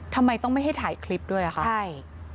ทำไมต้องไม่ให้ถ่ายคลิปด้วยค่ะใช่